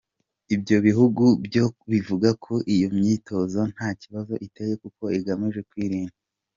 Ibyo bihugu byo bivuga ko iyo myitozo nta kibazo iteye kuko igamije kwirinda.